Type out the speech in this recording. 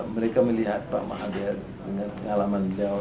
mereka melihat pak mahadir dengan pengalaman beliau